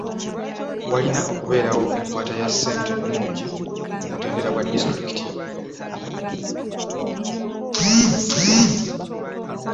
Walina okubeerawo enkwata ya ssente ennungi ku mutendera gwa disitulikiti.